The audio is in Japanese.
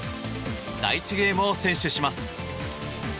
第１ゲームを先取します。